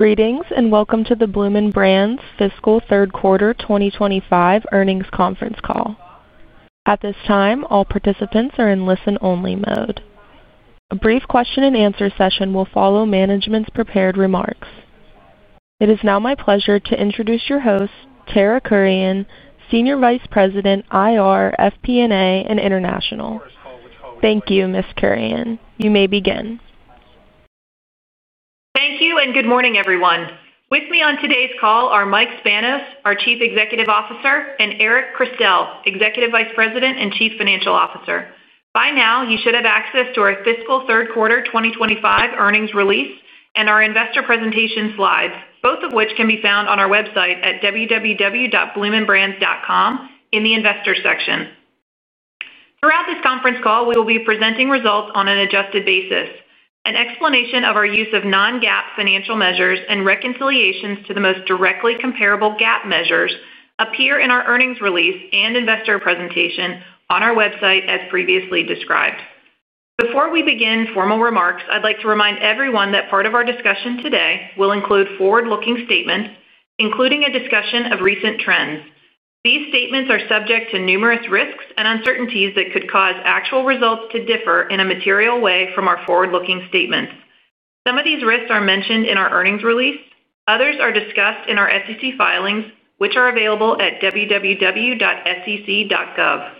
Greetings and welcome to the Bloomin' Brands Fiscal Third Quarter 2025 Earnings Conference Call. At this time, all participants are in listen-only mode. A brief question-and-answer session will follow management's prepared remarks. It is now my pleasure to introduce your host, Tara Kurian, Senior Vice President, IR, FP&A, and International. Thank you, Ms. Kurian. You may begin. Thank you and good morning, everyone. With me on today's call are Mike Spanos, our Chief Executive Officer, and Eric Christel, Executive Vice President and Chief Financial Officer. By now, you should have access to our Fiscal Third Quarter 2025 earnings release and our investor presentation slides, both of which can be found on our website at www.bloominbrands.com in the Investor section. Throughout this conference call, we will be presenting results on an adjusted basis. An explanation of our use of non-GAAP financial measures and reconciliations to the most directly comparable GAAP measures appear in our earnings release and investor presentation on our website as previously described. Before we begin formal remarks, I'd like to remind everyone that part of our discussion today will include forward-looking statements, including a discussion of recent trends. These statements are subject to numerous risks and uncertainties that could cause actual results to differ in a material way from our forward-looking statements. Some of these risks are mentioned in our earnings release. Others are discussed in our SEC filings, which are available at www.sec.gov.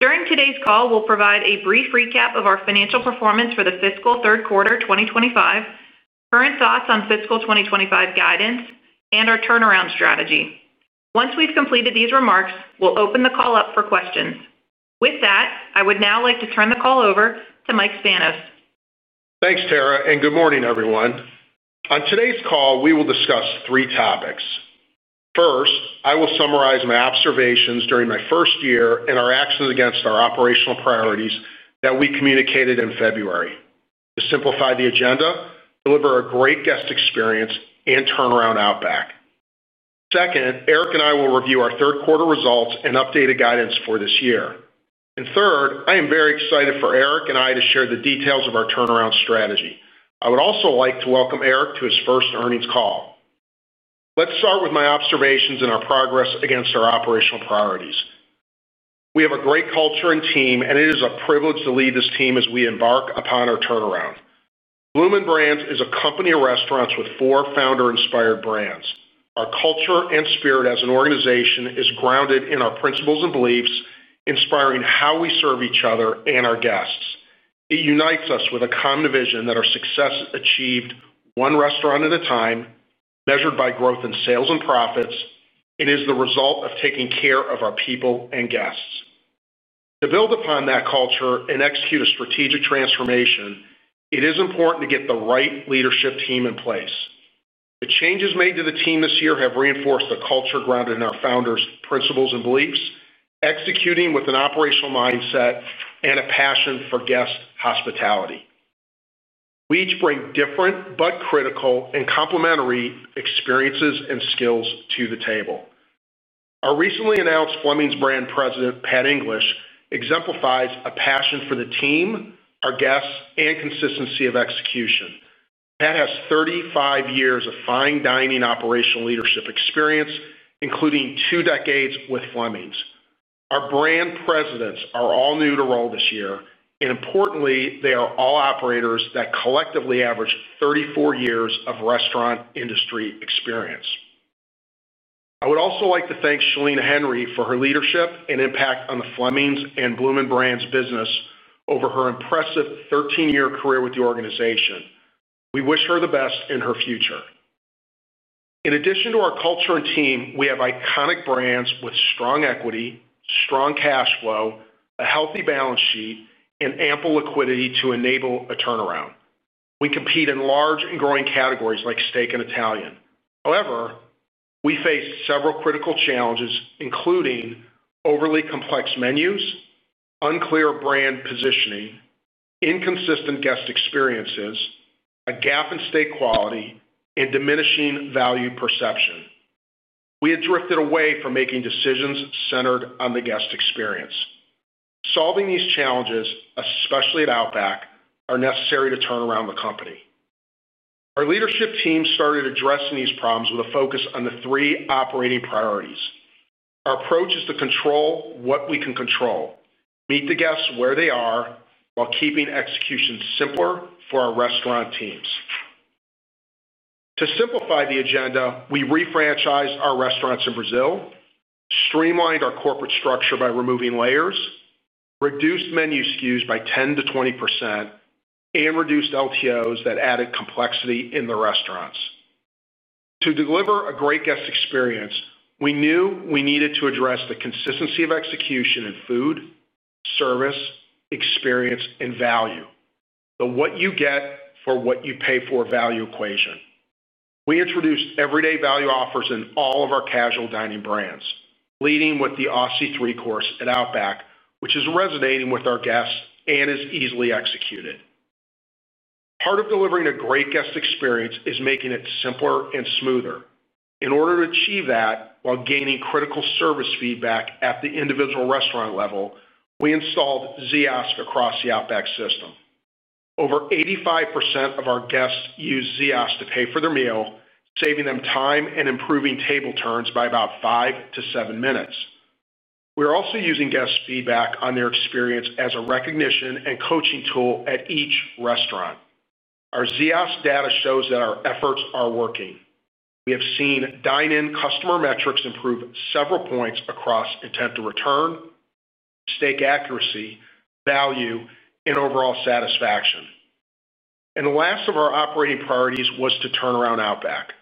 During today's call, we'll provide a brief recap of our financial performance for the fiscal third quarter 2025, current thoughts on fiscal 2025 guidance, and our turnaround strategy. Once we've completed these remarks, we'll open the call up for questions. With that, I would now like to turn the call over to Mike Spanos. Thanks, Tara, and good morning, everyone. On today's call, we will discuss three topics. First, I will summarize my observations during my first year and our actions against our operational priorities that we communicated in February to simplify the agenda, deliver a great guest experience, and turnaround Outback. Second, Eric and I will review our third quarter results and updated guidance for this year. Third, I am very excited for Eric and I to share the details of our turnaround strategy. I would also like to welcome Eric to his first earnings call. Let's start with my observations and our progress against our operational priorities. We have a great culture and team, and it is a privilege to lead this team as we embark upon our turnaround. Bloomin' Brands is a company of restaurants with four founder-inspired brands. Our culture and spirit as an organization is grounded in our principles and beliefs, inspiring how we serve each other and our guests. It unites us with a common vision that our success is achieved one restaurant at a time, measured by growth in sales and profits, and is the result of taking care of our people and guests. To build upon that culture and execute a strategic transformation, it is important to get the right leadership team in place. The changes made to the team this year have reinforced the culture grounded in our founders' principles and beliefs, executing with an operational mindset and a passion for guest hospitality. We each bring different, but critical and complementary experiences and skills to the table. Our recently announced Fleming's Brand President, Pat English, exemplifies a passion for the team, our guests, and consistency of execution. Pat has 35 years of fine dining operational leadership experience, including two decades with Fleming's. Our brand presidents are all new to role this year, and importantly, they are all operators that collectively average 34 years of restaurant industry experience. I would also like to thank Shalina Henry for her leadership and impact on the Fleming's and Bloomin' Brands business over her impressive 13-year career with the organization. We wish her the best in her future. In addition to our culture and team, we have iconic brands with strong equity, strong cash flow, a healthy balance sheet, and ample liquidity to enable a turnaround. We compete in large and growing categories like steak and Italian. However, we face several critical challenges, including. Overly complex menus, unclear brand positioning, inconsistent guest experiences, a gap in steak quality, and diminishing value perception. We had drifted away from making decisions centered on the guest experience. Solving these challenges, especially at Outback, is necessary to turn around the company. Our leadership team started addressing these problems with a focus on the three operating priorities. Our approach is to control what we can control, meet the guests where they are while keeping execution simpler for our restaurant teams. To simplify the agenda, we refranchised our restaurants in Brazil. Streamlined our corporate structure by removing layers, reduced menu SKUs by 10-20%, and reduced LTOs that added complexity in the restaurants. To deliver a great guest experience, we knew we needed to address the consistency of execution in food, service, experience, and value, the what you get for what you pay for value equation. We introduced everyday value offers in all of our casual dining brands, leading with the Aussie Three-Course at Outback, which is resonating with our guests and is easily executed. Part of delivering a great guest experience is making it simpler and smoother. In order to achieve that while gaining critical service feedback at the individual restaurant level, we installed Ziosk across the Outback system. Over 85 percent of our guests use Ziosk to pay for their meal, saving them time and improving table turns by about five to seven minutes. We are also using guest feedback on their experience as a recognition and coaching tool at each restaurant. Our Ziosk data shows that our efforts are working. We have seen dine-in customer metrics improve several points across intent to return, steak accuracy, value, and overall satisfaction. And the last of our operating priorities was to turn around Outback.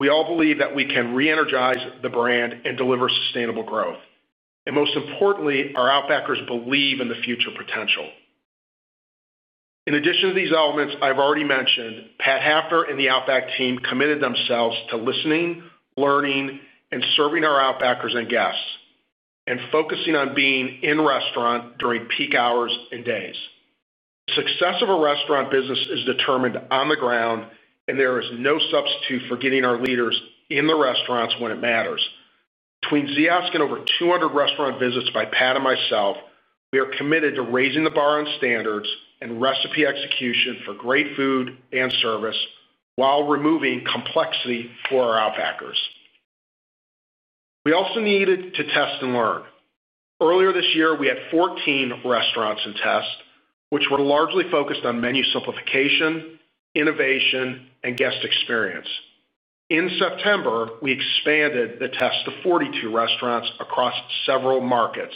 We all believe that we can re-energize the brand and deliver sustainable growth. Most importantly, our Outbackers believe in the future potential. In addition to these elements I've already mentioned, Pat Hafner and the Outback team committed themselves to listening, learning, and serving our Outbackers and guests, and focusing on being in restaurant during peak hours and days. The success of a restaurant business is determined on the ground, and there is no substitute for getting our leaders in the restaurants when it matters. Between Ziosk and over 200 restaurant visits by Pat and myself, we are committed to raising the bar on standards and recipe execution for great food and service while removing complexity for our Outbackers. We also needed to test and learn. Earlier this year, we had 14 restaurants in test, which were largely focused on menu simplification, innovation, and guest experience. In September, we expanded the test to 42 restaurants across several markets.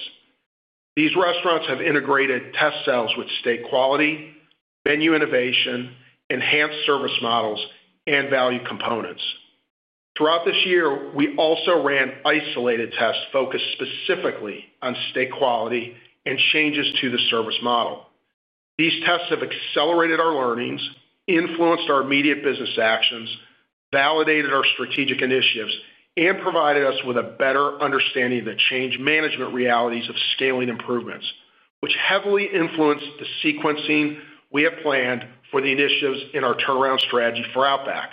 These restaurants have integrated test sales with steak quality, menu innovation, enhanced service models, and value components. Throughout this year, we also ran isolated tests focused specifically on steak quality and changes to the service model. These tests have accelerated our learnings, influenced our immediate business actions, validated our strategic initiatives, and provided us with a better understanding of the change management realities of scaling improvements, which heavily influenced the sequencing we have planned for the initiatives in our turnaround strategy for Outback.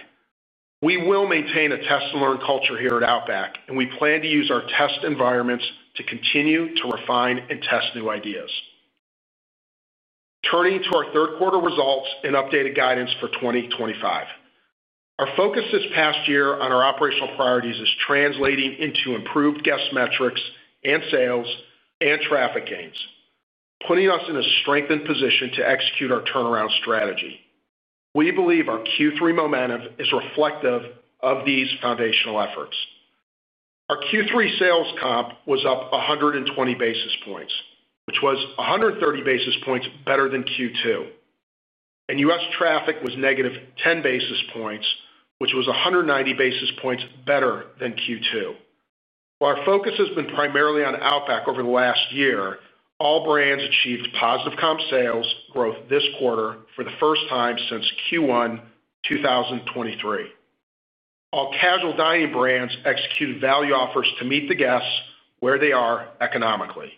We will maintain a test and learn culture here at Outback, and we plan to use our test environments to continue to refine and test new ideas. Turning to our third quarter results and updated guidance for 2025. Our focus this past year on our operational priorities is translating into improved guest metrics and sales and traffic gains, putting us in a strengthened position to execute our turnaround strategy. We believe our Q3 momentum is reflective of these foundational efforts. Our Q3 sales comp was up 120 basis points, which was 130 basis points better than Q2. And US traffic was negative 10 basis points, which was 190 basis points better than Q2. While our focus has been primarily on Outback over the last year, all brands achieved positive comp sales growth this quarter for the first time since Q1 2023. All casual dining brands execute value offers to meet the guests where they are economically.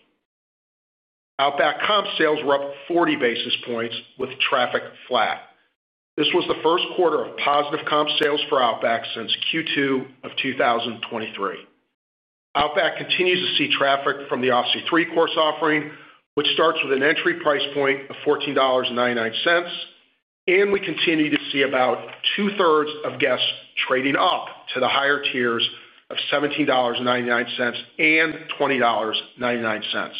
Outback comp sales were up 40 basis points with traffic flat. This was the first quarter of positive comp sales for Outback since Q2 of 2023. Outback continues to see traffic from the Aussie Three-Course offering, which starts with an entry price point of $14.99. And we continue to see about two-thirds of guests trading up to the higher tiers of $17.99 and $20.99.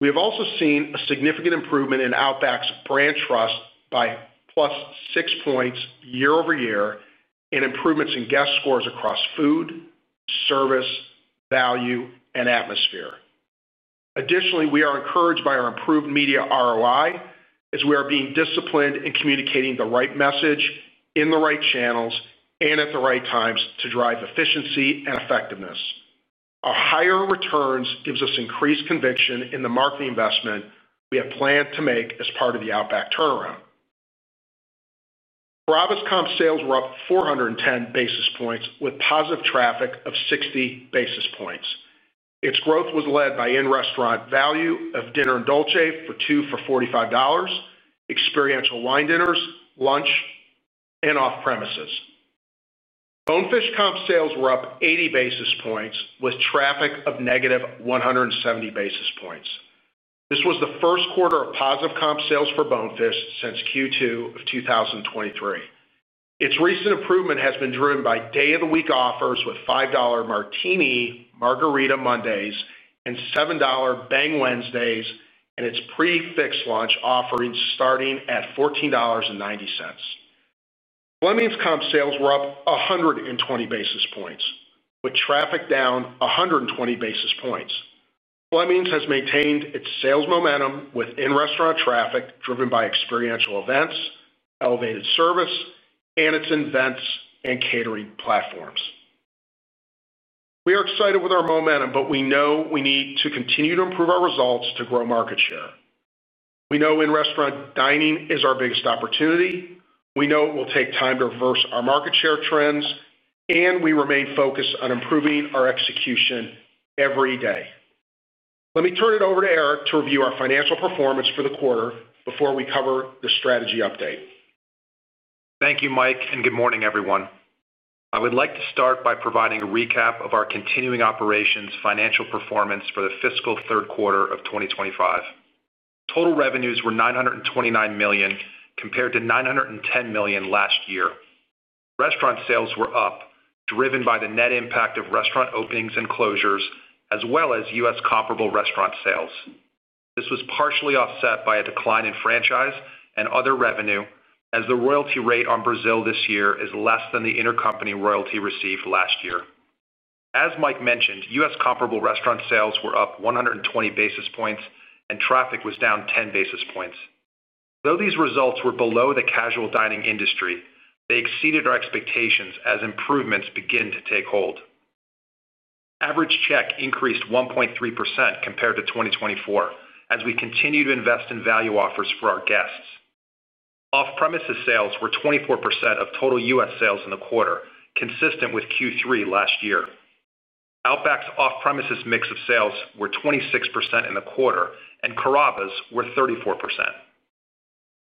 We have also seen a significant improvement in Outback's brand trust by plus six points year over year and improvements in guest scores across food. Service, value, and atmosphere. Additionally, we are encouraged by our improved media ROI as we are being disciplined in communicating the right message in the right channels and at the right times to drive efficiency and effectiveness. Our higher returns give us increased conviction in the market investment we have planned to make as part of the Outback turnaround. For Outback's comp sales were up 410 basis points with positive traffic of 60 basis points. Its growth was led by in-restaurant value of dinner and dolce for two for $45. Experiential wine dinners, lunch, and off-premises. Bonefish comp sales were up 80 basis points with traffic of negative 170 basis points. This was the first quarter of positive comp sales for Bonefish since Q2 of 2023. Its recent improvement has been driven by day-of-the-week offers with $5 martini margarita Mondays and $7 bang Wednesdays and its prefix launch offering starting at $14.90. Fleming's comp sales were up 120 basis points, with traffic down 120 basis points. Fleming's has maintained its sales momentum with in-restaurant traffic driven by experiential events, elevated service, and its events and catering platforms. We are excited with our momentum, but we know we need to continue to improve our results to grow market share. We know in-restaurant dining is our biggest opportunity. We know it will take time to reverse our market share trends, and we remain focused on improving our execution every day. Let me turn it over to Eric to review our financial performance for the quarter before we cover the strategy update. Thank you, Mike, and good morning, everyone. I would like to start by providing a recap of our continuing operations financial performance for the fiscal third quarter of 2025. Total revenues were $929 million compared to $910 million last year. Restaurant sales were up, driven by the net impact of restaurant openings and closures, as well as U.S. comparable restaurant sales. This was partially offset by a decline in franchise and other revenue as the royalty rate on Brazil this year is less than the intercompany royalty received last year. As Mike mentioned, U.S. comparable restaurant sales were up 120 basis points, and traffic was down 10 basis points. Though these results were below the casual dining industry, they exceeded our expectations as improvements begin to take hold. Average check increased 1.3% compared to 2024 as we continue to invest in value offers for our guests. Off-premises sales were 24% of total U.S. sales in the quarter, consistent with Q3 last year. Outback's off-premises mix of sales were 26% in the quarter, and Carrabba's were 34%.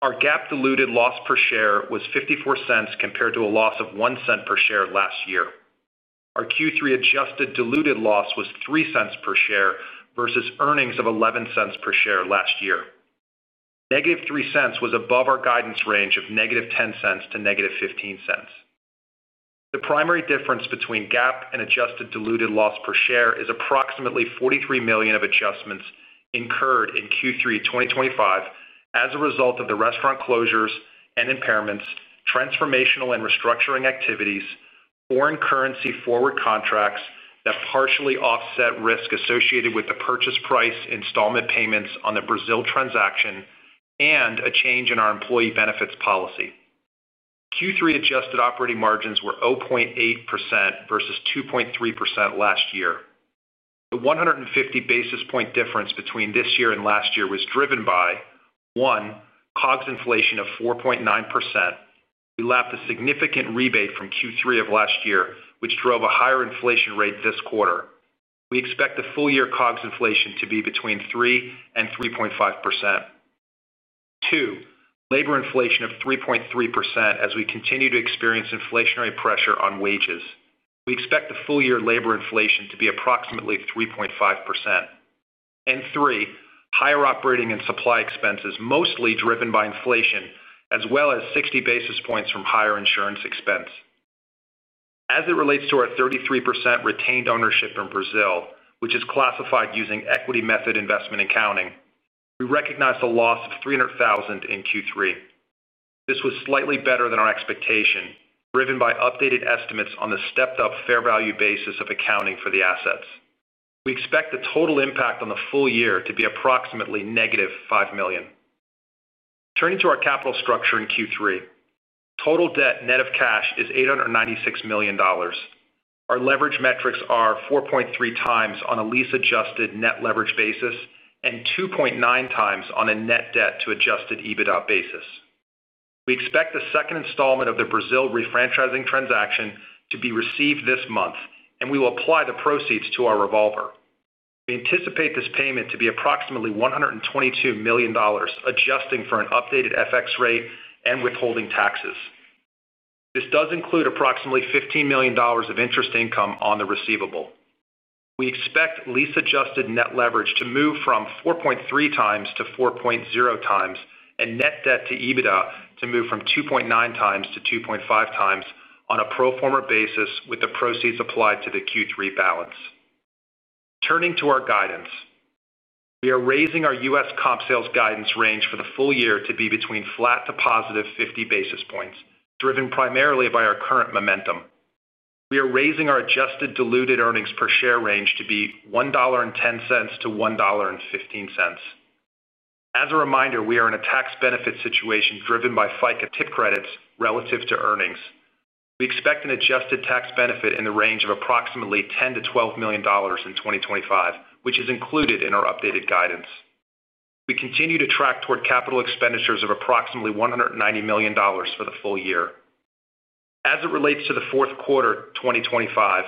Our GAAP diluted loss per share was $0.54 compared to a loss of $0.01 per share last year. Our Q3 adjusted diluted loss was $0.03 per share versus earnings of $0.11 per share last year. Negative $0.03 was above our guidance range of negative $0.10-$0.15. The primary difference between GAAP and adjusted diluted loss per share is approximately $43 million of adjustments incurred in Q3 2025 as a result of the restaurant closures and impairments, transformational and restructuring activities, foreign currency forward contracts that partially offset risk associated with the purchase price installment payments on the Brazil transaction, and a change in our employee benefits policy. Q3 adjusted operating margins were 0.8% versus 2.3% last year. The 150 basis point difference between this year and last year was driven by: One, COGS inflation of 4.9%. We lapped a significant rebate from Q3 of last year, which drove a higher inflation rate this quarter. We expect the full-year COGS inflation to be between three and 3.5%. Two, labor inflation of 3.3% as we continue to experience inflationary pressure on wages. We expect the full-year labor inflation to be approximately 3.5%. Three, higher operating and supply expenses, mostly driven by inflation, as well as 60 basis points from higher insurance expense. As it relates to our 33% retained ownership in Brazil, which is classified using equity method investment accounting, we recognize a loss of $300,000 in Q3. This was slightly better than our expectation, driven by updated estimates on the stepped-up fair value basis of accounting for the assets. We expect the total impact on the full year to be approximately negative $5 million. Turning to our capital structure in Q3, total debt net of cash is $896 million. Our leverage metrics are 4.3 times on a lease-adjusted net leverage basis and 2.9 times on a net debt-to-adjusted EBITDA basis. We expect the second installment of the Brazil refranchising transaction to be received this month, and we will apply the proceeds to our revolver. We anticipate this payment to be approximately $122 million, adjusting for an updated FX rate and withholding taxes. This does include approximately $15 million of interest income on the receivable. We expect lease-adjusted net leverage to move from 4.3 times to 4.0 times and net debt to EBITDA to move from 2.9 times to 2.5 times on a pro forma basis with the proceeds applied to the Q3 balance. Turning to our guidance. We are raising our US comp sales guidance range for the full year to be between flat to positive 50 basis points, driven primarily by our current momentum. We are raising our adjusted diluted earnings per share range to be $1.10 to $1.15. As a reminder, we are in a tax benefit situation driven by FICA tip credits relative to earnings. We expect an adjusted tax benefit in the range of approximately $10 to $12 million in 2025, which is included in our updated guidance. We continue to track toward capital expenditures of approximately $190 million for the full year. As it relates to the fourth quarter 2025,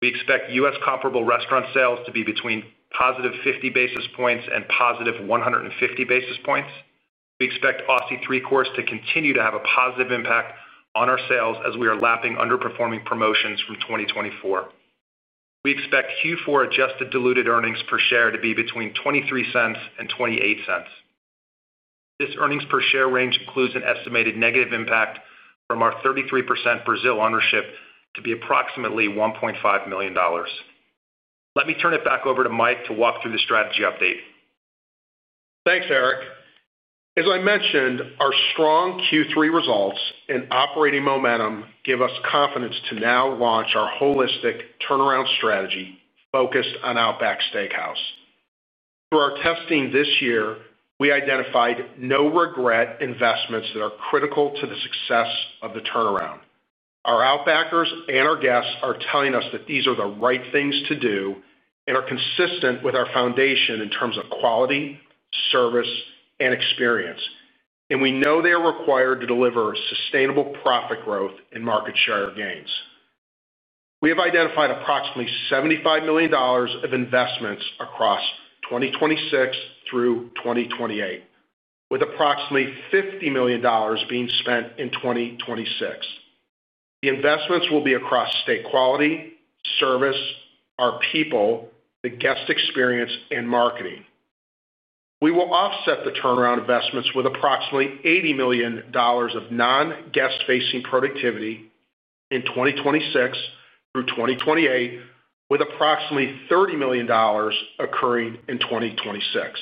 we expect US comparable restaurant sales to be between positive 50 basis points and positive 150 basis points. We expect Aussie Three-Course to continue to have a positive impact on our sales as we are lapping underperforming promotions from 2024. We expect Q4 adjusted diluted earnings per share to be between 23 cents and 28 cents. This earnings per share range includes an estimated negative impact from our 33% Brazil ownership to be approximately $1.5 million. Let me turn it back over to Mike to walk through the strategy update. Thanks, Eric. As I mentioned, our strong Q3 results and operating momentum give us confidence to now launch our holistic turnaround strategy focused on Outback Steakhouse. Through our testing this year, we identified no-regret investments that are critical to the success of the turnaround. Our Outbackers and our guests are telling us that these are the right things to do and are consistent with our foundation in terms of quality, service, and experience. And we know they are required to deliver sustainable profit growth and market share gains. We have identified approximately $75 million of investments across 2026 through 2028, with approximately $50 million being spent in 2026. The investments will be across steak quality, service, our people, the guest experience, and marketing. We will offset the turnaround investments with approximately $80 million of non-guest-facing productivity in 2026 through 2028, with approximately $30 million occurring in 2026.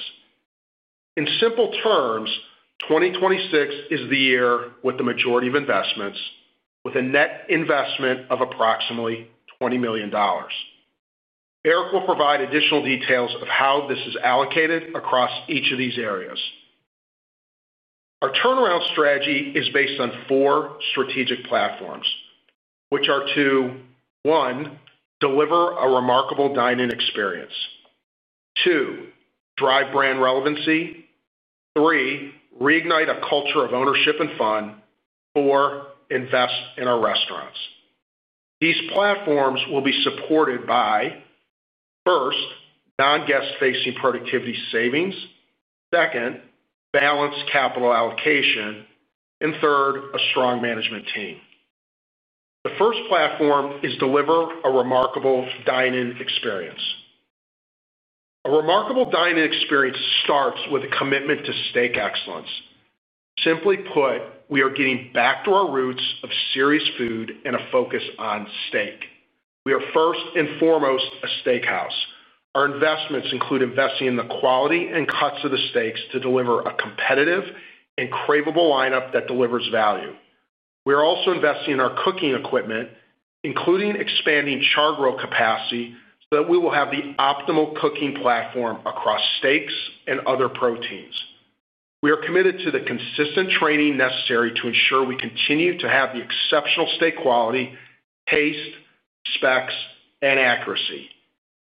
In simple terms, 2026 is the year with the majority of investments, with a net investment of approximately $20 million. Eric will provide additional details of how this is allocated across each of these areas. Our turnaround strategy is based on four strategic platforms, which are to, one, deliver a remarkable dining experience. Two, drive brand relevancy. Three, reignite a culture of ownership and fun. Four, invest in our restaurants. These platforms will be supported by. First, non-guest-facing productivity savings. Second, balanced capital allocation. And third, a strong management team. The first platform is deliver a remarkable dining experience. A remarkable dining experience starts with a commitment to steak excellence. Simply put, we are getting back to our roots of serious food and a focus on steak. We are first and foremost a steakhouse. Our investments include investing in the quality and cuts of the steaks to deliver a competitive and craveable lineup that delivers value. We are also investing in our cooking equipment, including expanding chargrill capacity so that we will have the optimal cooking platform across steaks and other proteins. We are committed to the consistent training necessary to ensure we continue to have the exceptional steak quality, taste, specs, and accuracy.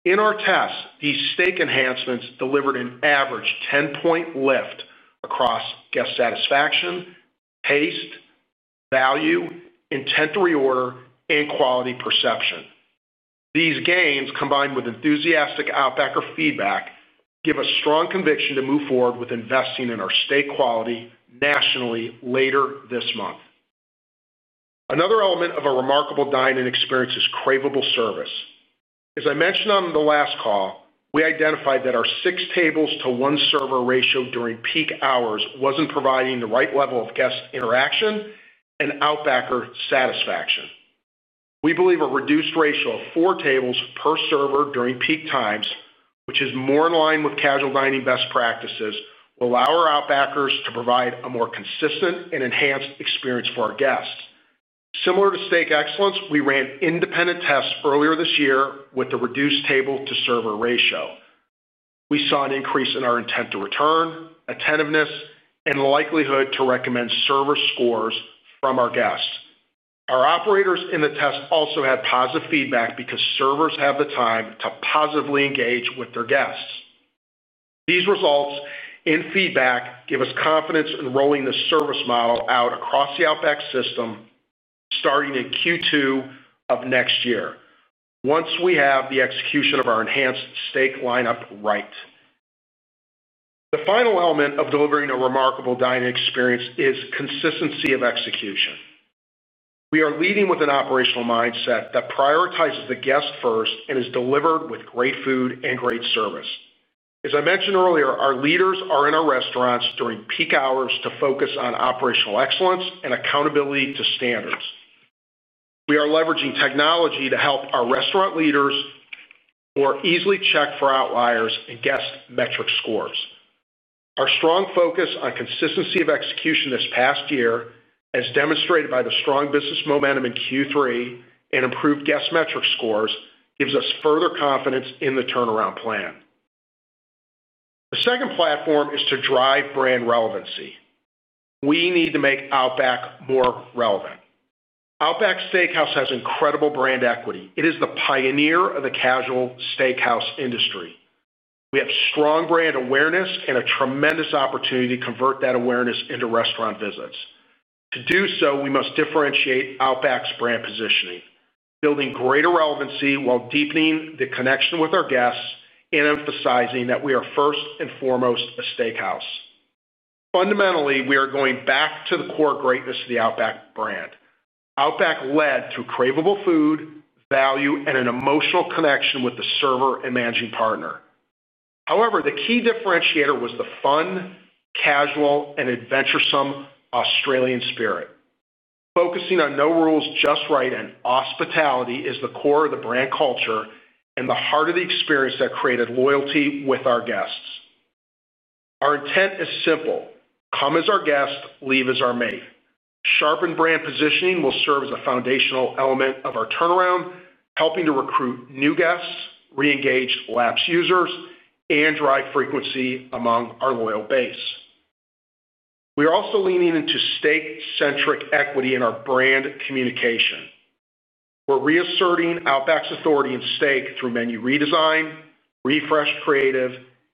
In our tests, these steak enhancements delivered an average 10-point lift across guest satisfaction, taste, value, intent to reorder, and quality perception. These gains, combined with enthusiastic Outbacker feedback, give a strong conviction to move forward with investing in our steak quality nationally later this month. Another element of a remarkable dining experience is craveable service. As I mentioned on the last call, we identified that our six tables to one server ratio during peak hours wasn't providing the right level of guest interaction and Outbacker satisfaction. We believe a reduced ratio of four tables per server during peak times, which is more in line with casual dining best practices, will allow our Outbackers to provide a more consistent and enhanced experience for our guests. Similar to steak excellence, we ran independent tests earlier this year with the reduced table-to-server ratio. We saw an increase in our intent to return, attentiveness, and likelihood to recommend server scores from our guests. Our operators in the test also had positive feedback because servers have the time to positively engage with their guests. These results and feedback give us confidence in rolling the service model out across the Outback system, starting in Q2 of next year, once we have the execution of our enhanced steak lineup right. The final element of delivering a remarkable dining experience is consistency of execution. We are leading with an operational mindset that prioritizes the guest first and is delivered with great food and great service. As I mentioned earlier, our leaders are in our restaurants during peak hours to focus on operational excellence and accountability to standards. We are leveraging technology to help our restaurant leaders. Or easily check for outliers and guest metric scores. Our strong focus on consistency of execution this past year, as demonstrated by the strong business momentum in Q3 and improved guest metric scores, gives us further confidence in the turnaround plan. The second platform is to drive brand relevancy. We need to make Outback more relevant. Outback Steakhouse has incredible brand equity. It is the pioneer of the casual steakhouse industry. We have strong brand awareness and a tremendous opportunity to convert that awareness into restaurant visits. To do so, we must differentiate Outback's brand positioning, building greater relevancy while deepening the connection with our guests and emphasizing that we are first and foremost a steakhouse. Fundamentally, we are going back to the core greatness of the Outback brand. Outback led to craveable food, value, and an emotional connection with the server and managing partner. However, the key differentiator was the fun, casual, and adventuresome Australian spirit. Focusing on no rules just right and hospitality is the core of the brand culture and the heart of the experience that created loyalty with our guests. Our intent is simple. Come as our guest, leave as our mate. Sharpened brand positioning will serve as a foundational element of our turnaround, helping to recruit new guests, re-engage lapse users, and drive frequency among our loyal base. We are also leaning into steak-centric equity in our brand communication. We're reasserting Outback's authority in steak through menu redesign, refreshed creative,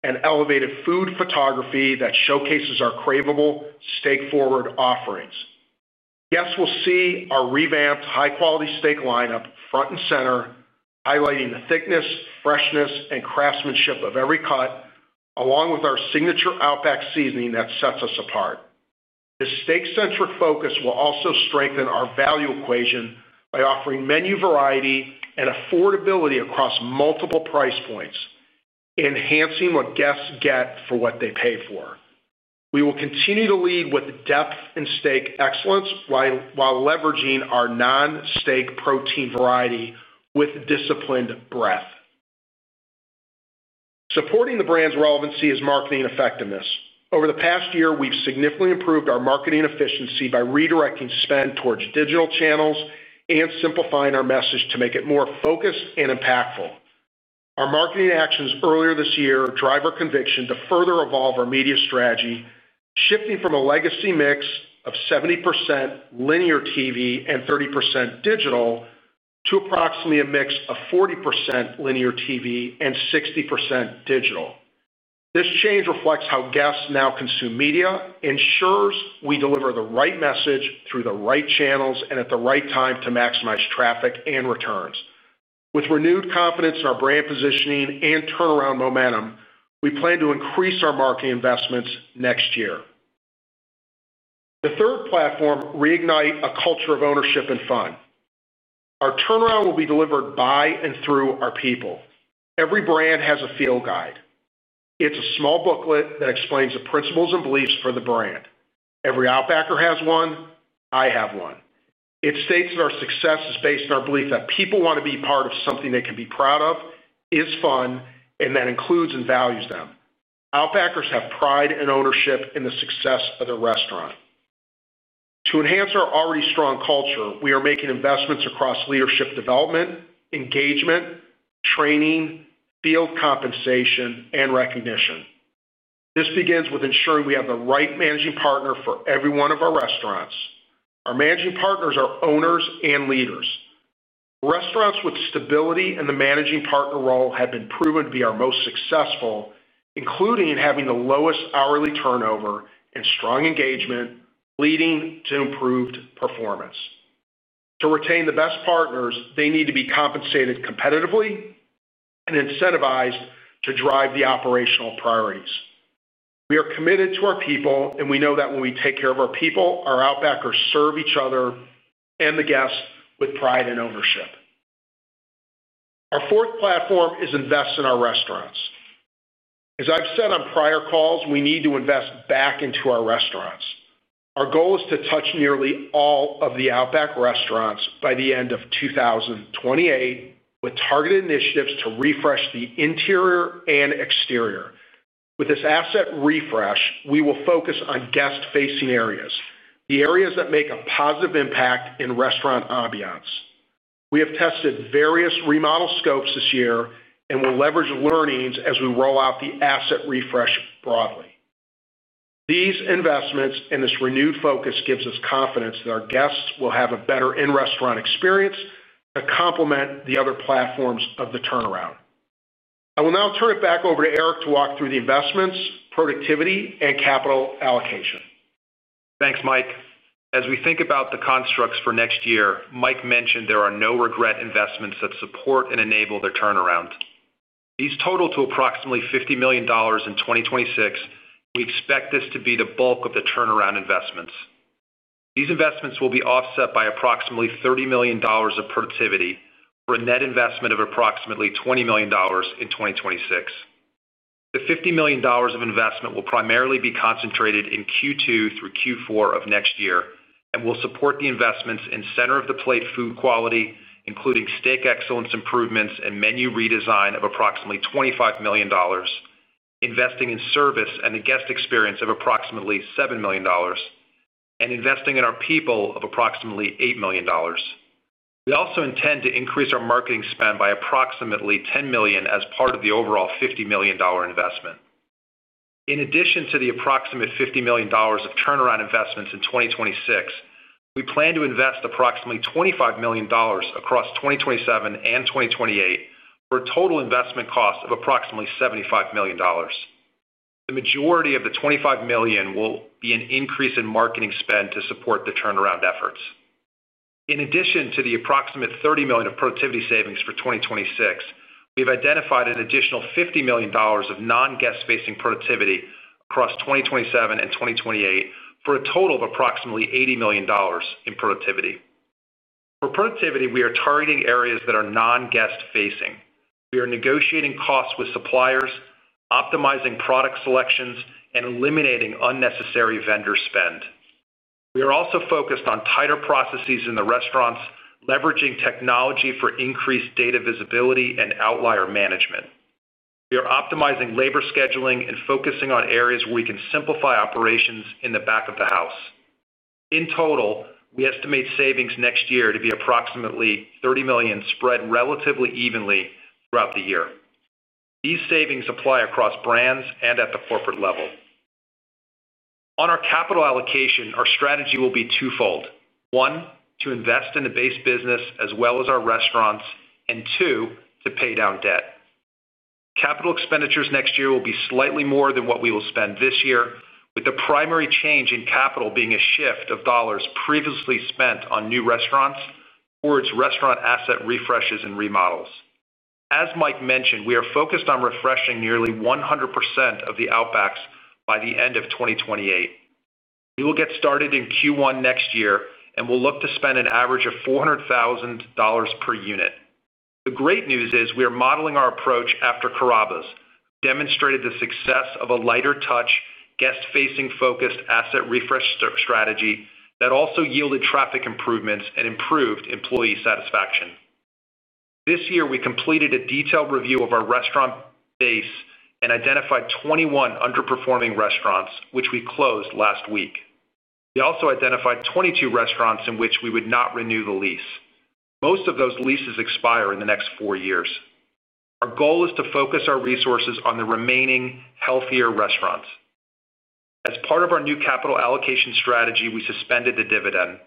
and elevated food photography that showcases our craveable steak-forward offerings. Guests will see our revamped high-quality steak lineup front and center, highlighting the thickness, freshness, and craftsmanship of every cut, along with our signature Outback seasoning that sets us apart. This steak-centric focus will also strengthen our value equation by offering menu variety and affordability across multiple price points, enhancing what guests get for what they pay for. We will continue to lead with depth and steak excellence while leveraging our non-steak protein variety with disciplined breadth. Supporting the brand's relevancy is marketing effectiveness. Over the past year, we've significantly improved our marketing efficiency by redirecting spend towards digital channels and simplifying our message to make it more focused and impactful. Our marketing actions earlier this year drive our conviction to further evolve our media strategy, shifting from a legacy mix of 70% linear TV and 30% digital to approximately a mix of 40% linear TV and 60% digital. This change reflects how guests now consume media, ensures we deliver the right message through the right channels, and at the right time to maximize traffic and returns. With renewed confidence in our brand positioning and turnaround momentum, we plan to increase our marketing investments next year. The third platform reignites a culture of ownership and fun. Our turnaround will be delivered by and through our people. Every brand has a field guide. It's a small booklet that explains the principles and beliefs for the brand. Every Outbacker has one. I have one. It states that our success is based on our belief that people want to be part of something they can be proud of, is fun, and that includes and values them. Outbackers have pride and ownership in the success of their restaurant. To enhance our already strong culture, we are making investments across leadership development, engagement. Training, field compensation, and recognition. This begins with ensuring we have the right managing partner for every one of our restaurants. Our managing partners are owners and leaders. Restaurants with stability in the managing partner role have been proven to be our most successful. Including having the lowest hourly turnover and strong engagement, leading to improved performance. To retain the best partners, they need to be compensated competitively. And incentivized to drive the operational priorities. We are committed to our people, and we know that when we take care of our people, our Outbackers serve each other and the guests with pride and ownership. Our fourth platform is investing in our restaurants. As I've said on prior calls, we need to invest back into our restaurants. Our goal is to touch nearly all of the Outback restaurants by the end of 2028 with targeted initiatives to refresh the interior and exterior. With this asset refresh, we will focus on guest-facing areas, the areas that make a positive impact in restaurant ambiance. We have tested various remodel scopes this year and will leverage learnings as we roll out the asset refresh broadly. These investments and this renewed focus give us confidence that our guests will have a better in-restaurant experience to complement the other platforms of the turnaround. I will now turn it back over to Eric to walk through the investments, productivity, and capital allocation. Thanks, Mike. As we think about the constructs for next year, Mike mentioned there are no-regret investments that support and enable the turnaround. These total to approximately $50 million in 2026. We expect this to be the bulk of the turnaround investments. These investments will be offset by approximately $30 million of productivity for a net investment of approximately $20 million in 2026. The $50 million of investment will primarily be concentrated in Q2 through Q4 of next year and will support the investments in center-of-the-plate food quality, including steak excellence improvements and menu redesign of approximately $25 million, investing in service and the guest experience of approximately $7 million. And investing in our people of approximately $8 million. We also intend to increase our marketing spend by approximately $10 million as part of the overall $50 million investment. In addition to the approximate $50 million of turnaround investments in 2026, we plan to invest approximately $25 million across 2027 and 2028 for a total investment cost of approximately $75 million. The majority of the $25 million will be an increase in marketing spend to support the turnaround efforts. In addition to the approximate $30 million of productivity savings for 2026, we've identified an additional $50 million of non-guest-facing productivity across 2027 and 2028 for a total of approximately $80 million in productivity. For productivity, we are targeting areas that are non-guest-facing. We are negotiating costs with suppliers, optimizing product selections, and eliminating unnecessary vendor spend. We are also focused on tighter processes in the restaurants, leveraging technology for increased data visibility and outlier management. We are optimizing labor scheduling and focusing on areas where we can simplify operations in the back of the house. In total, we estimate savings next year to be approximately $30 million spread relatively evenly throughout the year. These savings apply across brands and at the corporate level. On our capital allocation, our strategy will be twofold: one, to invest in the base business as well as our restaurants, and two, to pay down debt. Capital expenditures next year will be slightly more than what we will spend this year, with the primary change in capital being a shift of dollars previously spent on new restaurants towards restaurant asset refreshes and remodels. As Mike mentioned, we are focused on refreshing nearly 100% of the Outbacks by the end of 2028. We will get started in Q1 next year and will look to spend an average of $400,000 per unit. The great news is we are modeling our approach after Carrabba's, who demonstrated the success of a lighter-touch, guest-facing-focused asset refresh strategy that also yielded traffic improvements and improved employee satisfaction. This year, we completed a detailed review of our restaurant base and identified 21 underperforming restaurants, which we closed last week. We also identified 22 restaurants in which we would not renew the lease. Most of those leases expire in the next four years. Our goal is to focus our resources on the remaining, healthier restaurants. As part of our new capital allocation strategy, we suspended the dividend.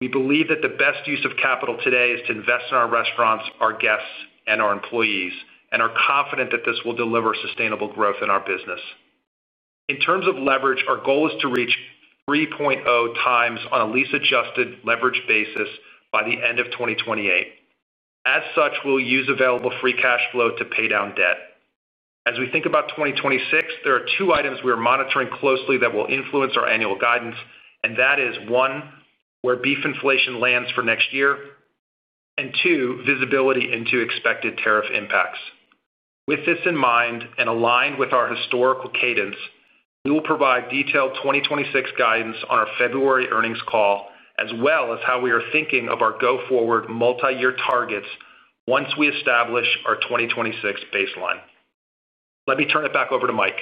We believe that the best use of capital today is to invest in our restaurants, our guests, and our employees, and are confident that this will deliver sustainable growth in our business. In terms of leverage, our goal is to reach 3.0 times on a lease-adjusted leverage basis by the end of 2028. As such, we'll use available free cash flow to pay down debt. As we think about 2026, there are two items we are monitoring closely that will influence our annual guidance, and that is, one, where beef inflation lands for next year, and two, visibility into expected tariff impacts. With this in mind and aligned with our historical cadence, we will provide detailed 2026 guidance on our February earnings call, as well as how we are thinking of our go-forward multi-year targets once we establish our 2026 baseline. Let me turn it back over to Mike.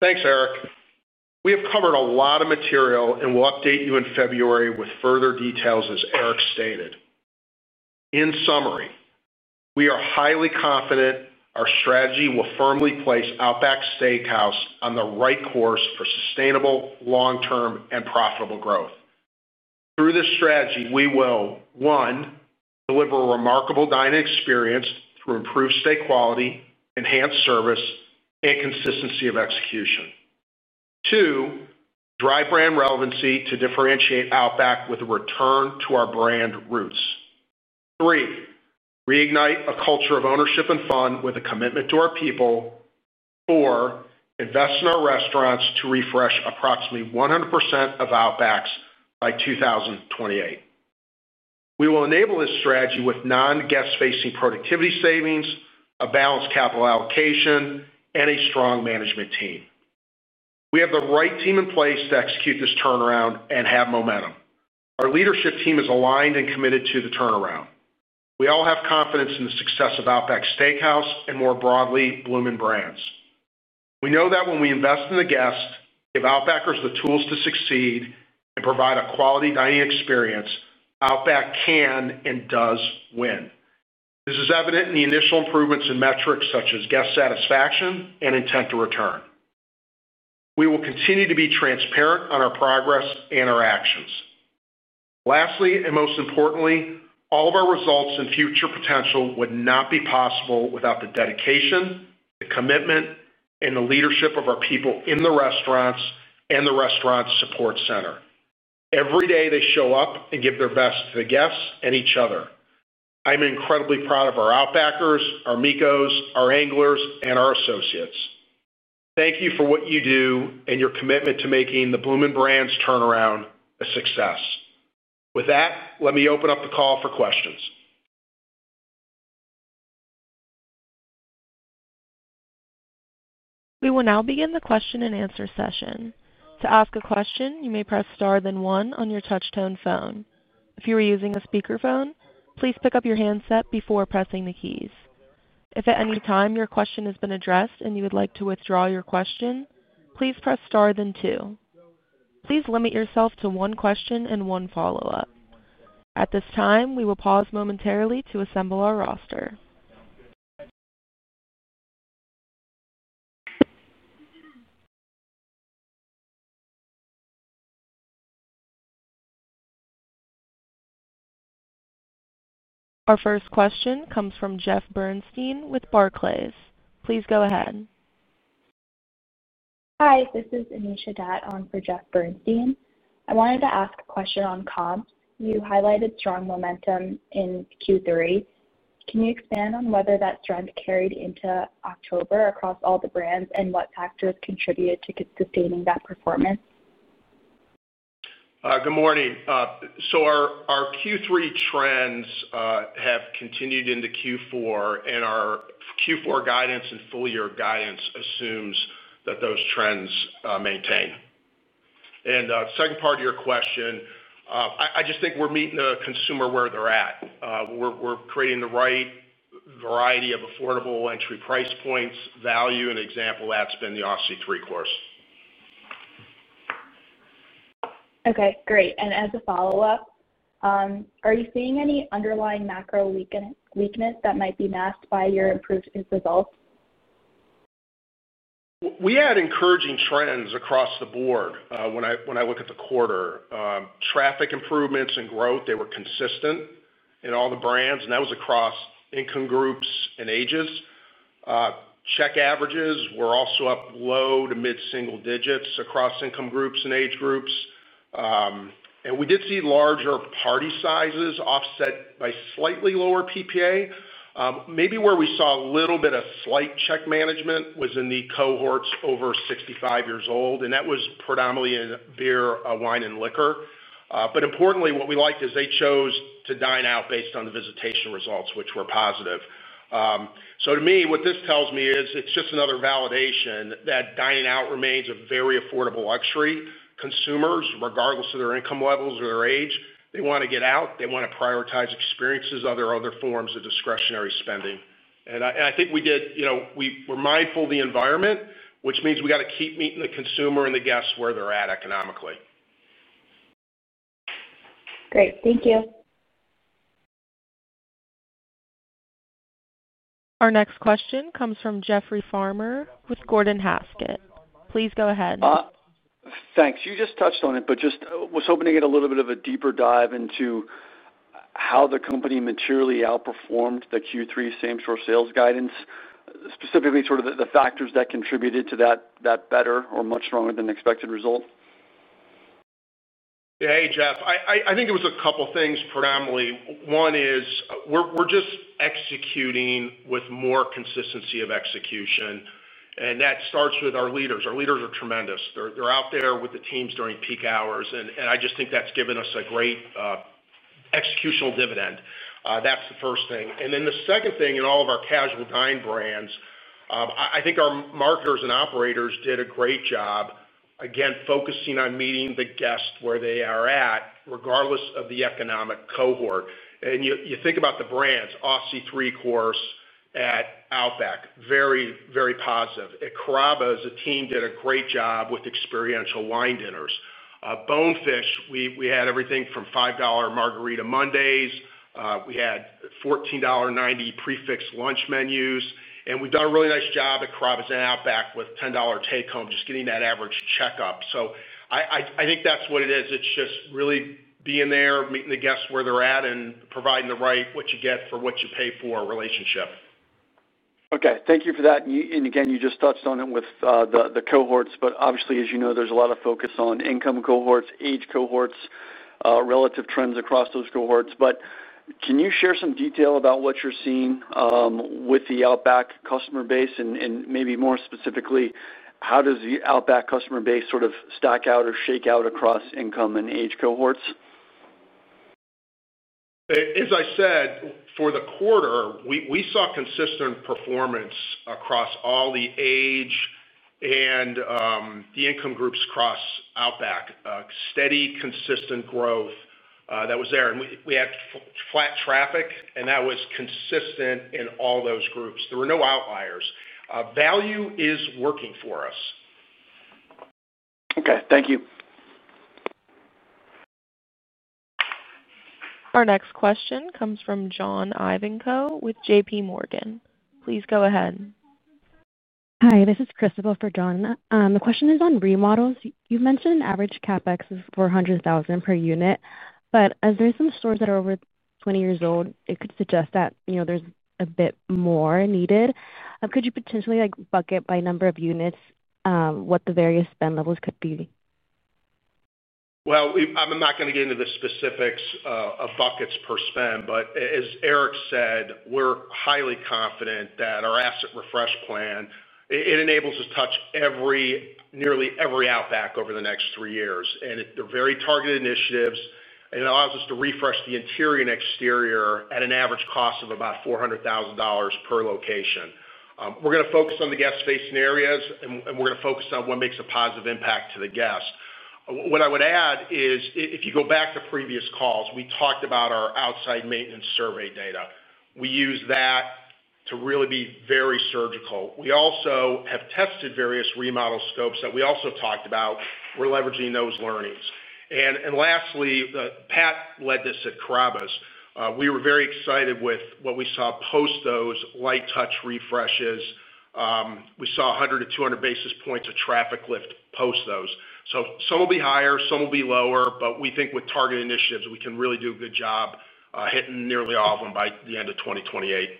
Thanks, Eric. We have covered a lot of material, and we'll update you in February with further details as Eric stated. In summary, we are highly confident our strategy will firmly place Outback Steakhouse on the right course for sustainable, long-term, and profitable growth. Through this strategy, we will, one, deliver a remarkable dining experience through improved steak quality, enhanced service, and consistency of execution. Two, drive brand relevancy to differentiate Outback with a return to our brand roots. Three, reignite a culture of ownership and fun with a commitment to our people. Four, invest in our restaurants to refresh approximately 100% of Outbacks by 2028. We will enable this strategy with non-guest-facing productivity savings, a balanced capital allocation, and a strong management team. We have the right team in place to execute this turnaround and have momentum. Our leadership team is aligned and committed to the turnaround. We all have confidence in the success of Outback Steakhouse and, more broadly, Bloomin' Brands. We know that when we invest in the guests, give Outbackers the tools to succeed, and provide a quality dining experience, Outback can and does win. This is evident in the initial improvements in metrics such as guest satisfaction and intent to return. We will continue to be transparent on our progress and our actions. Lastly, and most importantly, all of our results and future potential would not be possible without the dedication, the commitment, and the leadership of our people in the restaurants and the restaurant support center. Every day, they show up and give their best to the guests and each other. I'm incredibly proud of our Outbackers, our Mikos, our Anglers, and our associates. Thank you for what you do and your commitment to making the Bloomin' Brands turnaround a success. With that, let me open up the call for questions. We will now begin the question-and-answer session. To ask a question, you may press star then one on your touch-tone phone. If you are using a speakerphone, please pick up your handset before pressing the keys. If at any time your question has been addressed and you would like to withdraw your question, please press star then two. Please limit yourself to one question and one follow-up. At this time, we will pause momentarily to assemble our roster. Our first question comes from Jeff Bernstein with Barclays. Please go ahead. Hi, this is Anisha Datt on for Jeff Bernstein. I wanted to ask a question on comps. You highlighted strong momentum in Q3. Can you expand on whether that trend carried into October across all the brands and what factors contributed to sustaining that performance? Good morning. So our Q3 trends have continued into Q4, and our Q4 guidance and full-year guidance assumes that those trends maintain. And the second part of your question, I just think we're meeting the consumer where they're at. We're creating the right variety of affordable entry price points, value, and example that's been the Aussie Three-Course. Okay, great. And as a follow-up. Are you seeing any underlying macro weakness that might be masked by your improved results? We had encouraging trends across the board when I look at the quarter. Traffic improvements and growth, they were consistent in all the brands, and that was across income groups and ages. Check averages were also up low to mid-single digits across income groups and age groups. And we did see larger party sizes offset by slightly lower PPA. Maybe where we saw a little bit of slight check management was in the cohorts over 65 years old, and that was predominantly in beer, wine, and liquor. But importantly, what we liked is they chose to dine out based on the visitation results, which were positive. So to me, what this tells me is it's just another validation that dining out remains a very affordable luxury. Consumers, regardless of their income levels or their age, they want to get out. They want to prioritize experiences other other forms of discretionary spending. And I think we did. We were mindful of the environment, which means we got to keep meeting the consumer and the guests where they're at economically. Great. Thank you. Our next question comes from Jeffrey Farmer with Gordon Haskett. Please go ahead. Thanks. You just touched on it, but just was hoping to get a little bit of a deeper dive into. How the company materially outperformed the Q3 same-store sales guidance, specifically sort of the factors that contributed to that better or much stronger than expected result. Yeah, hey, Jeff. I think it was a couple of things predominantly. One is we're just executing with more consistency of execution. And that starts with our leaders. Our leaders are tremendous. They're out there with the teams during peak hours. And I just think that's given us a great. Executional dividend. That's the first thing. And then the second thing in all of our casual dine brands, I think our marketers and operators did a great job, again, focusing on meeting the guests where they are at, regardless of the economic cohort. And you think about the brands, Aussie Three-Course at Outback, very, very positive. At Carrabba's, the team did a great job with experiential wine dinners. Bonefish, we had everything from $5 Margarita Mondays. We had $14.90 prefixed lunch menus. And we've done a really nice job at Carrabba's and Outback with $10 take-home, just getting that average check up. So I think that's what it is. It's just really being there, meeting the guests where they're at, and providing the right what you get for what you pay for relationship. Okay. Thank you for that. And again, you just touched on it with the cohorts, but obviously, as you know, there's a lot of focus on income cohorts, age cohorts, relative trends across those cohorts. But can you share some detail about what you're seeing with the Outback customer base? And maybe more specifically, how does the Outback customer base sort of stack out or shake out across income and age cohorts? As I said, for the quarter, we saw consistent performance across all the age. And the income groups across Outback, steady, consistent growth that was there. And we had flat traffic, and that was consistent in all those groups. There were no outliers. Value is working for us. Okay. Thank you. Our next question comes from John Ivanco with JPMorgan. Please go ahead. Hi, this is Christopher for John. The question is on remodels. You've mentioned an average CapEx is 400,000 per unit, but as there are some stores that are over 20 years old, it could suggest that there's a bit more needed. Could you potentially bucket by number of units what the various spend levels could be? Well, I'm not going to get into the specifics of buckets per spend, but as Eric said, we're highly confident that our asset refresh plan, it enables us to touch nearly every Outback over the next three years. And they're very targeted initiatives, and it allows us to refresh the interior and exterior at an average cost of about $400,000 per location. We're going to focus on the guest-facing areas, and we're going to focus on what makes a positive impact to the guest. What I would add is if you go back to previous calls, we talked about our outside maintenance survey data. We use that to really be very surgical. We also have tested various remodel scopes that we also talked about. We're leveraging those learnings. And lastly, Pat led this at Carrabba's. We were very excited with what we saw post those light touch refreshes. We saw 100 to 200 basis points of traffic lift post those. So some will be higher, some will be lower, but we think with targeted initiatives, we can really do a good job hitting nearly all of them by the end of 2028.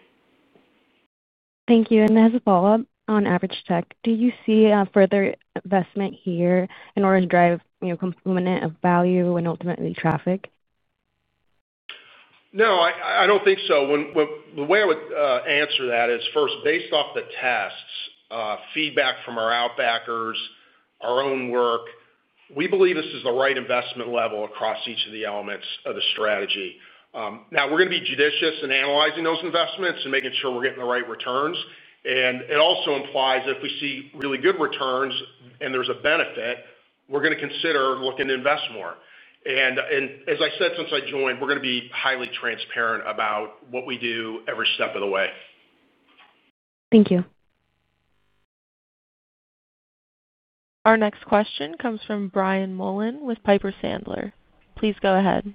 Thank you. And as a follow-up on average check, do you see further investment here in order to drive complement of value and ultimately traffic? No, I don't think so. The way I would answer that is first, based off the tests, feedback from our Outbackers, our own work, we believe this is the right investment level across each of the elements of the strategy. Now, we're going to be judicious in analyzing those investments and making sure we're getting the right returns. And it also implies if we see really good returns and there's a benefit, we're going to consider looking to invest more. And as I said since I joined, we're going to be highly transparent about what we do every step of the way. Thank you. Our next question comes from Brian Mullan with Piper Sandler. Please go ahead.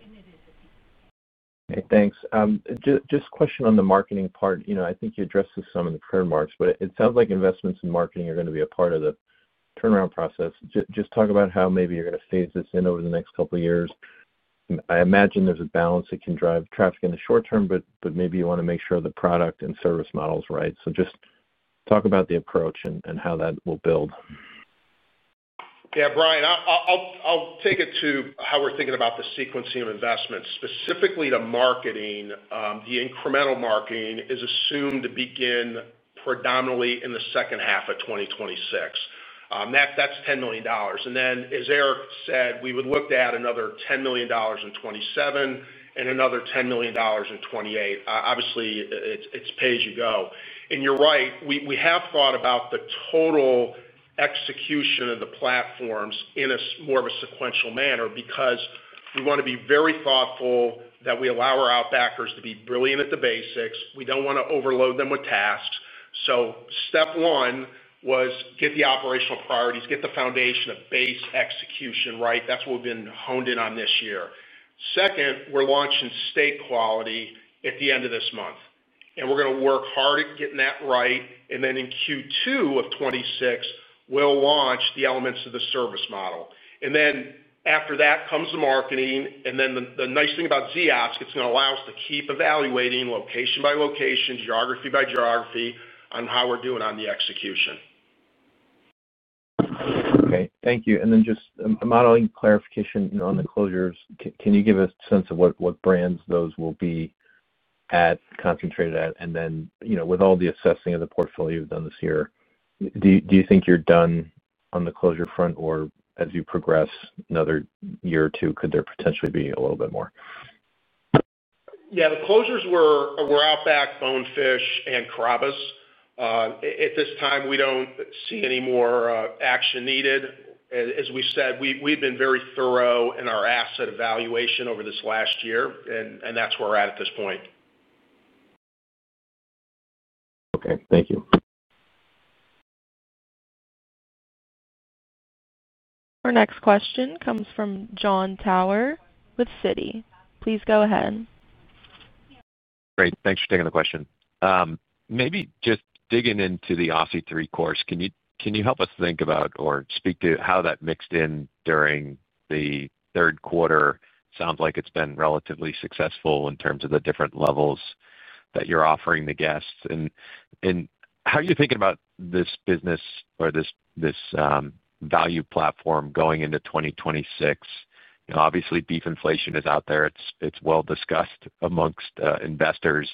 Hey, thanks. Just a question on the marketing part. I think you addressed this some in the prayer marks, but it sounds like investments in marketing are going to be a part of the turnaround process. Just talk about how maybe you're going to phase this in over the next couple of years. I imagine there's a balance that can drive traffic in the short term, but maybe you want to make sure the product and service model is right. So just talk about the approach and how that will build. Yeah, Brian, I'll take it to how we're thinking about the sequencing of investments, specifically to marketing. The incremental marketing is assumed to begin. Predominantly in the second half of 2026. That's $10 million. And then, as Eric said, we would look to add another $10 million in '27 and another $10 million in '28. Obviously, it's pay as you go. And you're right, we have thought about the total. Execution of the platforms in more of a sequential manner because we want to be very thoughtful that we allow our Outbackers to be brilliant at the basics. We don't want to overload them with tasks. So step one was get the operational priorities, get the foundation of base execution right. That's what we've been honed in on this year. Second, we're launching state quality at the end of this month. And we're going to work hard at getting that right. And then in Q2 of '26, we'll launch the elements of the service model. And then after that comes the marketing. And then the nice thing about Ziosk, it's going to allow us to keep evaluating location by location, geography by geography on how we're doing on the execution. Okay. Thank you. And then just a modeling clarification on the closures. Can you give a sense of what brands those will be concentrated at? And then with all the assessing of the portfolio done this year, do you think you're done on the closure front? Or as you progress another year or two, could there potentially be a little bit more? Yeah, the closures were Outback, Bonefish, and Carrabba's. At this time, we don't see any more action needed. As we said, we've been very thorough in our asset evaluation over this last year, and that's where we're at at this point. Okay. Thank you. Our next question comes from John Tower with Citi. Please go ahead. Great. Thanks for taking the question. Maybe just digging into the Aussie Three-Course, can you help us think about or speak to how that mixed in during the third quarter? Sounds like it's been relatively successful in terms of the different levels that you're offering the guests. And how are you thinking about this business or this. Value platform going into 2026? Obviously, beef inflation is out there. It's well-discussed amongst investors.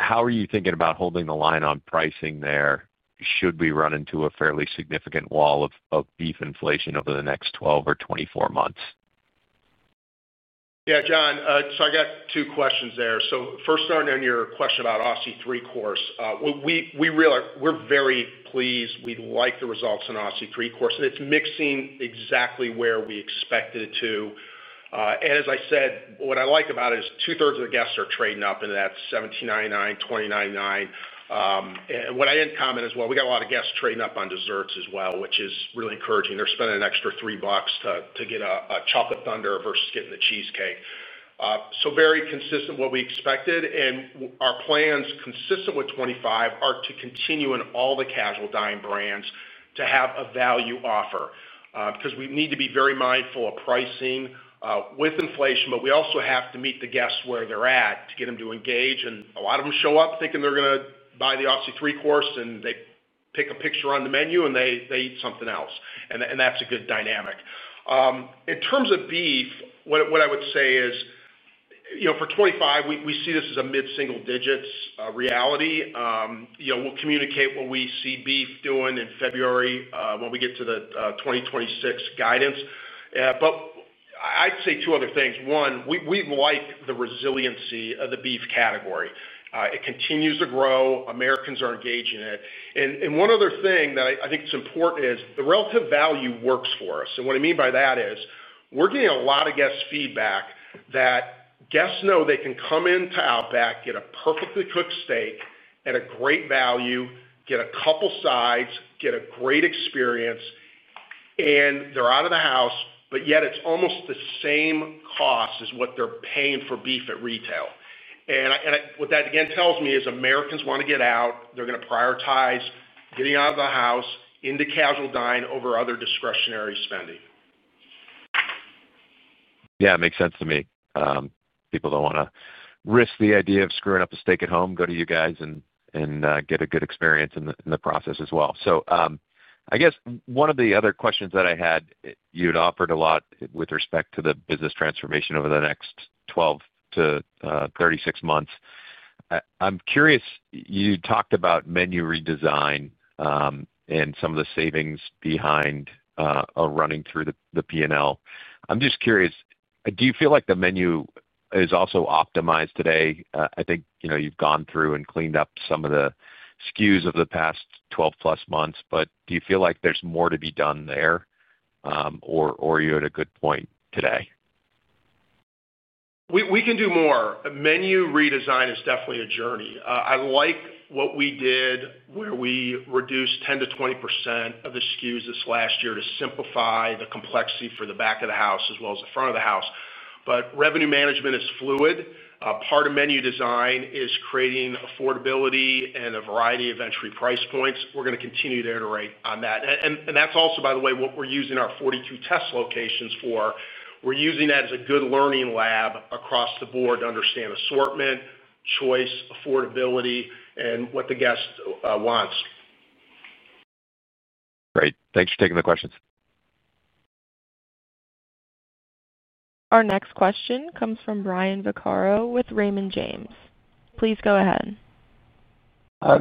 How are you thinking about holding the line on pricing there should we run into a fairly significant wall of beef inflation over the next 12 or 24 months? Yeah, John, so I got two questions there. So first, starting on your question about Aussie Three-Course, we're very pleased. We like the results in Aussie Three-Course. And it's mixing exactly where we expected it to. And as I said, what I like about it is two-thirds of the guests are trading up into that 17.99, 20.99. And what I didn't comment as well, we got a lot of guests trading up on desserts as well, which is really encouraging. They're spending an extra three bucks to get a chocolate thunder versus getting the cheesecake. So very consistent with what we expected. And our plans, consistent with '25, are to continue in all the casual dine brands to have a value offer because we need to be very mindful of pricing with inflation, but we also have to meet the guests where they're at to get them to engage. And a lot of them show up thinking they're going to buy the Aussie Three-Course, and they pick a picture on the menu, and they eat something else. And that's a good dynamic. In terms of beef, what I would say is. For '25, we see this as a mid-single digits reality. We'll communicate what we see beef doing in February when we get to the 2026 guidance. But I'd say two other things. One, we like the resiliency of the beef category. It continues to grow. Americans are engaged in it. And one other thing that I think is important is the relative value works for us. And what I mean by that is we're getting a lot of guest feedback that guests know they can come into Outback, get a perfectly cooked steak at a great value, get a couple sides, get a great experience. And they're out of the house, but yet it's almost the same cost as what they're paying for beef at retail. And what that again tells me is Americans want to get out. They're going to prioritize getting out of the house into casual dine over other discretionary spending. Yeah, it makes sense to me. People don't want to risk the idea of screwing up a steak at home, go to you guys and get a good experience in the process as well. So I guess one of the other questions that I had, you had offered a lot with respect to the business transformation over the next 12 to 36 months. I'm curious, you talked about menu redesign. And some of the savings behind. Running through the P&L. I'm just curious, do you feel like the menu is also optimized today? I think you've gone through and cleaned up some of the SKUs of the past 12-plus months, but do you feel like there's more to be done there? Or are you at a good point today? We can do more. Menu redesign is definitely a journey. I like what we did where we reduced 10 to 20 percent of the SKUs this last year to simplify the complexity for the back of the house as well as the front of the house. But revenue management is fluid. Part of menu design is creating affordability and a variety of entry price points. We're going to continue to iterate on that. And that's also, by the way, what we're using our 42 test locations for. We're using that as a good learning lab across the board to understand assortment, choice, affordability, and what the guest wants. Great. Thanks for taking the questions. Our next question comes from Brian Vaccaro with Raymond James. Please go ahead.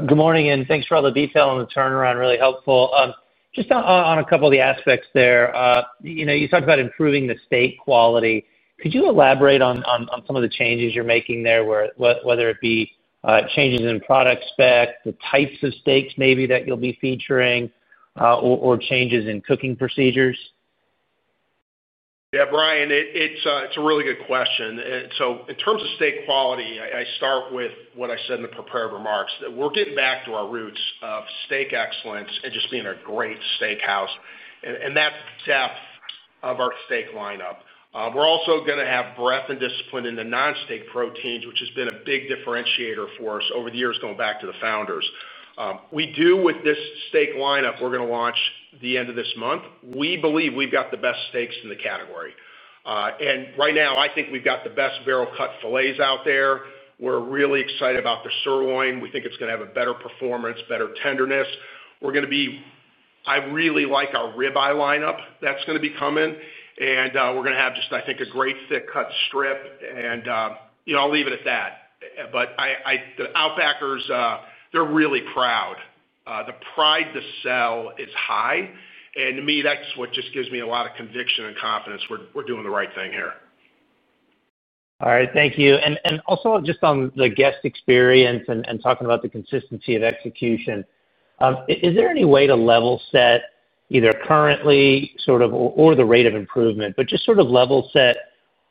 Good morning, and thanks for all the detail on the turnaround. Really helpful. Just on a couple of the aspects there, you talked about improving the steak quality. Could you elaborate on some of the changes you're making there, whether it be changes in product spec, the types of steaks maybe that you'll be featuring. Or changes in cooking procedures? Yeah, Brian, it's a really good question. So in terms of steak quality, I start with what I said in the prepared remarks. We're getting back to our roots of steak excellence and just being a great steakhouse. And that's the depth of our steak lineup. We're also going to have breadth and discipline in the non-steak proteins, which has been a big differentiator for us over the years going back to the founders. We do, with this steak lineup, we're going to launch the end of this month. We believe we've got the best steaks in the category. And right now, I think we've got the best barrel-cut fillets out there. We're really excited about the sirloin. We think it's going to have a better performance, better tenderness. We're going to be—I really like our ribeye lineup that's going to be coming. And we're going to have just, I think, a great thick-cut strip. And I'll leave it at that. But the Outbackers, they're really proud. The pride to sell is high. And to me, that's what just gives me a lot of conviction and confidence we're doing the right thing here. All right. Thank you. And also just on the guest experience and talking about the consistency of execution, is there any way to level set either currently sort of or the rate of improvement, but just sort of level set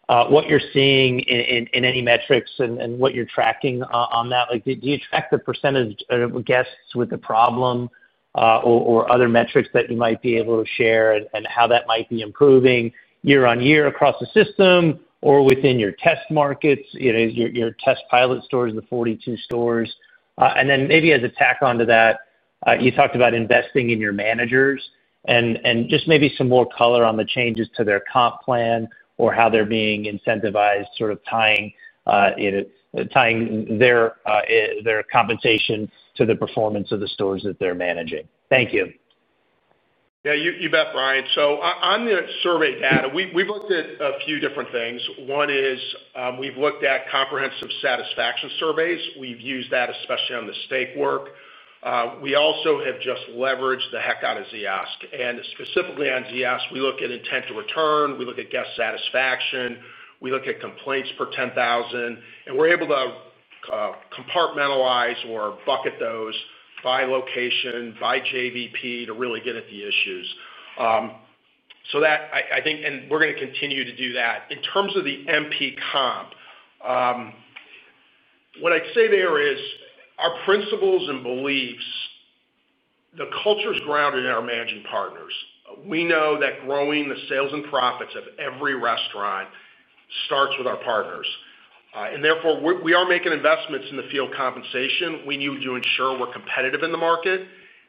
what you're seeing in any metrics and what you're tracking on that? Do you track the percentage of guests with a problem. Or other metrics that you might be able to share and how that might be improving year-on-year across the system or within your test markets, your test pilot stores, the 42 stores? And then maybe as a tack onto that, you talked about investing in your managers and just maybe some more color on the changes to their comp plan or how they're being incentivized, sort of tying. Their. Compensation to the performance of the stores that they're managing. Thank you. Yeah, you bet, Brian. So on the survey data, we've looked at a few different things. One is we've looked at comprehensive satisfaction surveys. We've used that especially on the steak work. We also have just leveraged the heck out of Ziosk. And specifically on Ziosk, we look at intent to return. We look at guest satisfaction. We look at complaints per 10,000. And we're able to. Compartmentalize or bucket those by location, by JVP to really get at the issues. So that, I think, and we're going to continue to do that. In terms of the MP comp. What I'd say there is our principles and beliefs. The culture is grounded in our managing partners. We know that growing the sales and profits of every restaurant starts with our partners. And therefore, we are making investments in the field compensation. We need to ensure we're competitive in the market.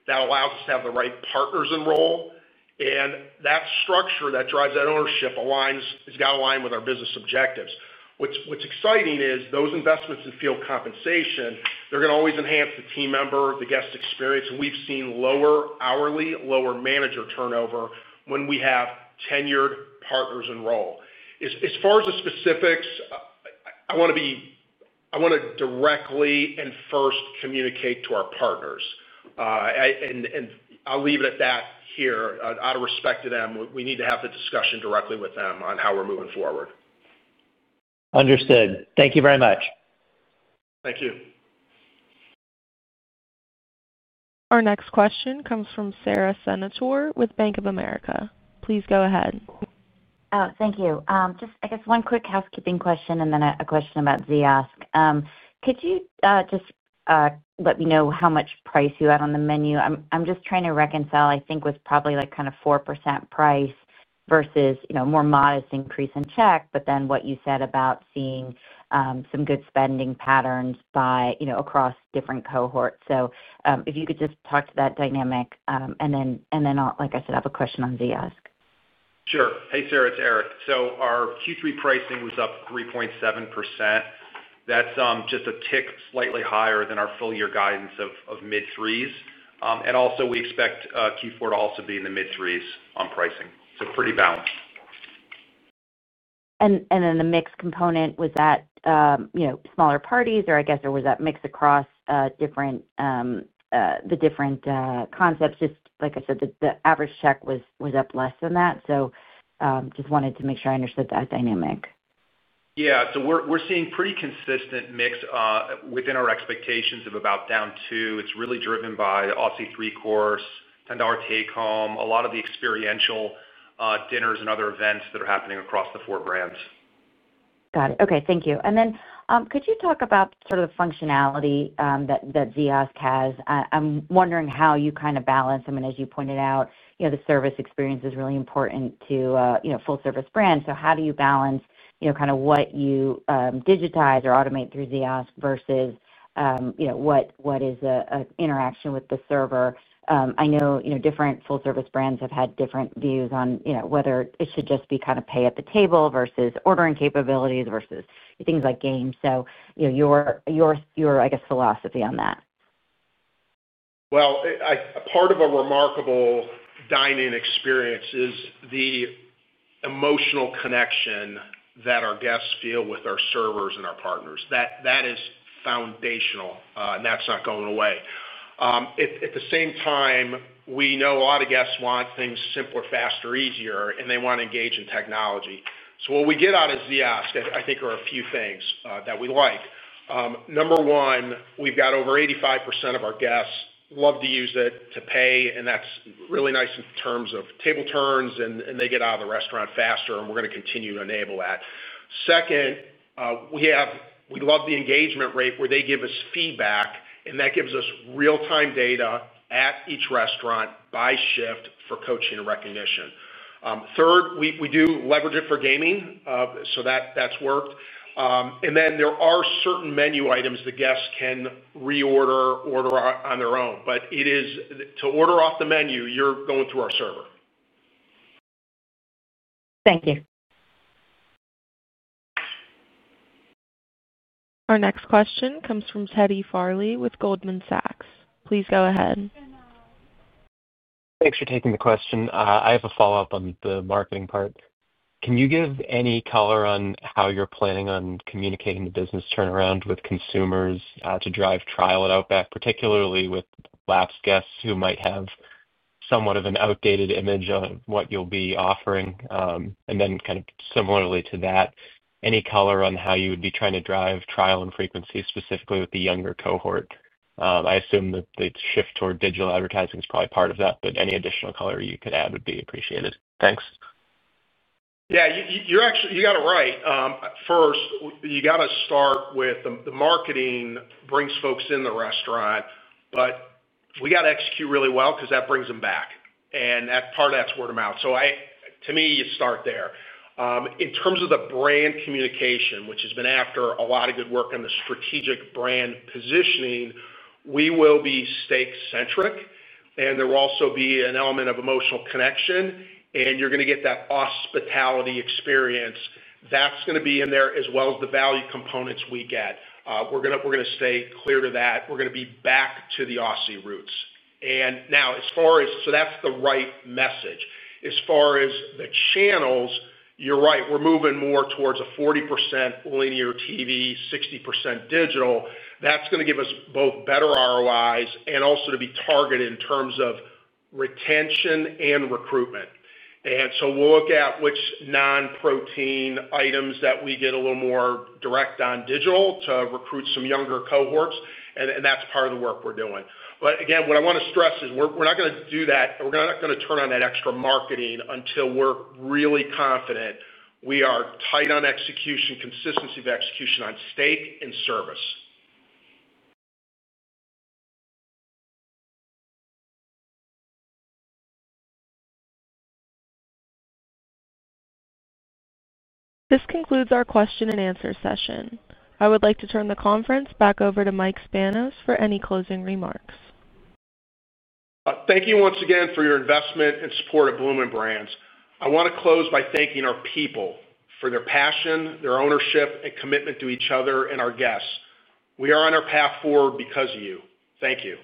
That allows us to have the right partners enroll. And that structure that drives that ownership has got to align with our business objectives. What's exciting is those investments in field compensation, they're going to always enhance the team member, the guest experience. And we've seen lower hourly, lower manager turnover when we have tenured partners enroll. As far as the specifics, I want to be. I want to directly and first communicate to our partners. And I'll leave it at that here. Out of respect to them, we need to have the discussion directly with them on how we're moving forward. Understood. Thank you very much. Thank you. Our next question comes from Sara Senatore with Bank of America. Please go ahead. Oh, thank you. Just, I guess, one quick housekeeping question and then a question about Ziosk. Could you just let me know how much price you had on the menu? I'm just trying to reconcile, I think, with probably kind of 4% price versus a more modest increase in check, but then what you said about seeing some good spending patterns across different cohorts, so if you could just talk to that dynamic, and then, like I said, I have a question on Ziosk. Sure. Hey, Sara, it's Eric. So our Q3 pricing was up 3.7%. That's just a tick slightly higher than our full-year guidance of mid-threes. And also, we expect Q4 to also be in the mid-threes on pricing. So pretty balanced. And then the mix component, was that. Smaller parties, or I guess, or was that mixed across the. Different concepts? Just like I said, the average check was up less than that. So just wanted to make sure I understood that dynamic. Yeah. So we're seeing a pretty consistent mix within our expectations of about down to. It's really driven by the Aussie Three-Course, $10 take-home, a lot of the experiential dinners and other events that are happening across the four brands. Got it. Okay. Thank you. And then could you talk about sort of the functionality that Ziosk has? I'm wondering how you kind of balance. I mean, as you pointed out, the service experience is really important to a full-service brand. So how do you balance kind of what you digitize or automate through Ziosk versus what is an interaction with the server? I know different full-service brands have had different views on whether it should just be kind of pay at the table versus ordering capabilities versus things like games. So your, I guess, philosophy on that? Well, part of a remarkable dine-in experience is the emotional connection that our guests feel with our servers and our partners. That is foundational, and that's not going away. At the same time, we know a lot of guests want things simpler, faster, easier, and they want to engage in technology. So what we get out of Ziosk, I think, are a few things that we like. Number one, we've got over 85% of our guests who love to use it to pay, and that's really nice in terms of table turns, and they get out of the restaurant faster, and we're going to continue to enable that. Second. We love the engagement rate where they give us feedback, and that gives us real-time data at each restaurant by shift for coaching and recognition. Third, we do leverage it for gaming, so that's worked. And then there are certain menu items the guests can reorder on their own. But to order off the menu, you're going through our server. Thank you. Our next question comes from Teddy Farley with Goldman Sachs. Please go ahead. Thanks for taking the question. I have a follow-up on the marketing part. Can you give any color on how you're planning on communicating the business turnaround with consumers to drive trial at Outback, particularly with lapsed guests who might have somewhat of an outdated image of what you'll be offering? And then kind of similarly to that, any color on how you would be trying to drive trial and frequency specifically with the younger cohort? I assume that the shift toward digital advertising is probably part of that, but any additional color you could add would be appreciated. Thanks. Yeah. You got it right. First, you got to start with the marketing brings folks in the restaurant, but we got to execute really well because that brings them back. And that's part of that's word of mouth. So to me, you start there. In terms of the brand communication, which has been after a lot of good work on the strategic brand positioning, we will be steak-centric, and there will also be an element of emotional connection, and you're going to get that hospitality experience. That's going to be in there as well as the value components we get. We're going to stay clear to that. We're going to be back to the Aussie roots. And now, as far as so that's the right message. As far as the channels, you're right, we're moving more towards a 40% linear TV, 60% digital. That's going to give us both better ROIs and also to be targeted in terms of. Retention and recruitment. And so we'll look at which non-protein items that we get a little more direct on digital to recruit some younger cohorts. And that's part of the work we're doing. But again, what I want to stress is we're not going to do that. We're not going to turn on that extra marketing until we're really confident we are tight on execution, consistency of execution on steak and service. This concludes our question and answer session. I would like to turn the conference back over to Mike Spanos for any closing remarks. Thank you once again for your investment and support of Bloomin' Brands. I want to close by thanking our people for their passion, their ownership, and commitment to each other and our guests. We are on our path forward because of you. Thank you.